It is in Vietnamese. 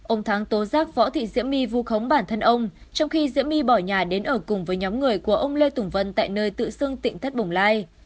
ông thắng tố giác võ thị diễm my vu khống bản thân ông trong khi diễm my bỏ nhà đến ở cùng với nhóm người của ông lê tùng vân tại nơi tự xưng tịnh thất bồng lai